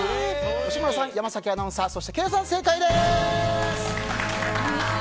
吉村さん、山崎アナウンサーそしてケイさん、正解です！